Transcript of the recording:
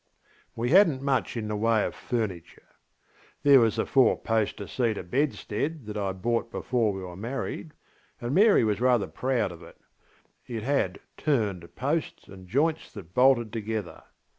We hadnŌĆÖt much in the way of furniture. There was the four poster cedar bedstead that I bought before we were married, and Mary was rather proud of it: it had ŌĆśturnedŌĆÖ posts and joints that bolted together.